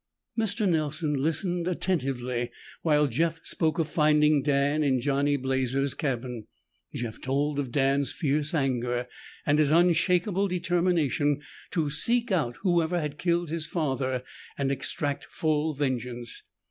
Mr. Nelson listened attentively while Jeff spoke of finding Dan in Johnny Blazer's cabin. Jeff told of Dan's fierce anger, and his unshakable determination to seek out whoever had killed his father and extract full vengeance.